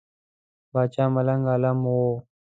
پاچا ملنګ عالم وو.